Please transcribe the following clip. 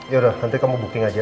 ya udah nanti kamu booking aja